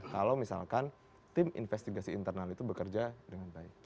kalau misalkan tim investigasi internal itu bekerja dengan baik